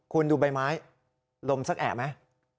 คุณดูใบไม้ลมสักแอะไหม